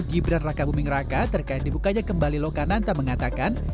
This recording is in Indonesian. gibran raka buming raka terkait dibukanya kembali lokananta mengatakan